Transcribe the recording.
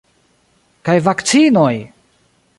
Kaj vakcinoj!